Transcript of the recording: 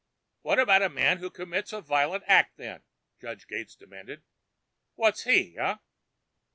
"What about a man who commits a violent act, then?" Judge Gates demanded. "What's he, eh?"